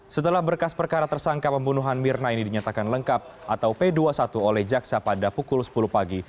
setelah berkas perkara tersangka pembunuhan mirna ini dinyatakan lengkap atau p dua puluh satu oleh jaksa pada pukul sepuluh pagi